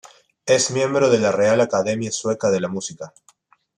Es miembro de la Real Academia Sueca de la Música.